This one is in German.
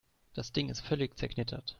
Das Ding ist völlig zerknittert.